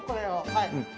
はい。